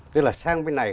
tức là sang bên này